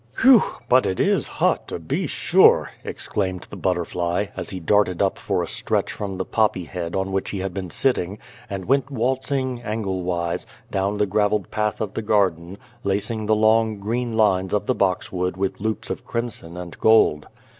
" Phew ! but it is hot, to be sure !" ex claimed the butterfly, as he darted up for a stretch from the poppy head on which he had been sitting, and went waltzing, angle wise, down the gravelled path of the garden, lacing the long, green lines of the boxwood with loops of crimson and gold.